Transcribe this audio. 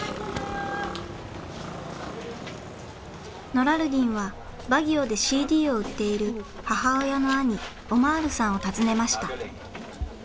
ノラルディンはバギオでＣＤを売っている母親の兄オマールさんを訪ねました。